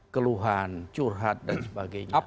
keluhan curhat dan sebagainya